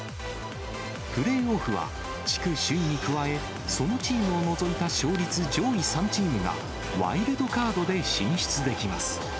プレーオフは地区首位に加え、そのチームを除いた勝率上位３チームが、ワイルドカードで進出できます。